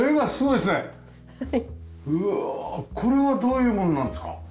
これはどういうものなんですか？